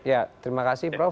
ya terima kasih prof